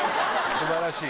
素晴らしい！